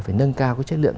phải nâng cao chất lượng